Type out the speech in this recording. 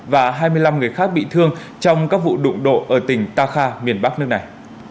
và ba người khác bị thương trong các vụ đụng độ ở tỉnh takha miền bắc nước này